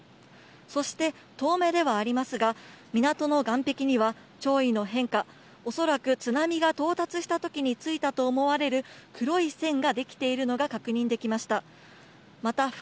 そして遠目ではありますが、港の岸壁には潮位の変化、恐らく津波が到達したときについたと思われる黒い線が出来ているのが確認できました。